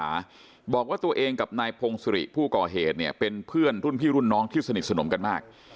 สมรวจสอบภอมเมืองสงขลาบอกว่าตัวเองกับนายพงศรีผู้ก่อเหตุเนี่ยเป็นเพื่อนรุ่นพี่รุ่นน้องที่สนิทสนมกันมาก